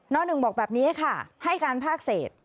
หนึ่งบอกแบบนี้ค่ะให้การภาคเศษ